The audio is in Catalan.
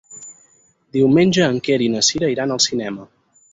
Diumenge en Quer i na Cira iran al cinema.